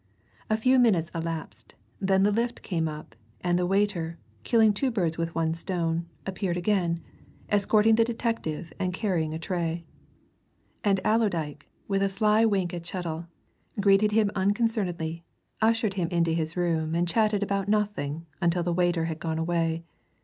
A few minutes elapsed; then the lift came up, and the waiter, killing two birds with one stone, appeared again, escorting the detective and carrying a tray. And Allerdyke, with a sly wink at Chettle, greeted him unconcernedly, ushered him into his room and chatted about nothing until the waiter had gone away.